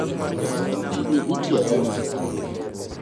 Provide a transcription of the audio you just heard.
Gini itiyo go nade?